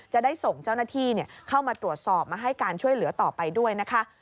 จะได้ส่งเจ้าหน้าที่เข้ามาตรวจสอบมาให้การช่วยเหลือต่อไปด้วยนะคะ